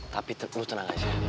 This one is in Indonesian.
tapi lo tenang aja